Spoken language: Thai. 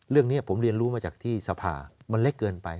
เรื่องนี้ผมเรียนรู้มาจากที่สภามันเล็กเกินไป